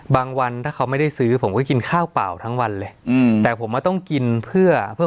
วันถ้าเขาไม่ได้ซื้อผมก็กินข้าวเปล่าทั้งวันเลยอืมแต่ผมว่าต้องกินเพื่อเพื่อ